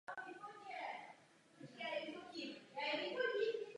Boj proti nezaměstnanosti je hlavním cílem švédského předsednictví.